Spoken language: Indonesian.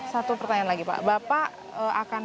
satu pertanyaan lagi pak bapak akan